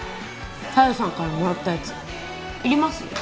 小夜さんからもらったやついります？